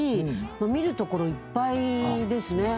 見る所いっぱいですね。